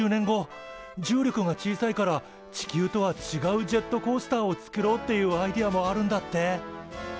重力が小さいから地球とはちがうジェットコースターを作ろうっていうアイデアもあるんだって！